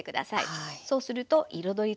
はい。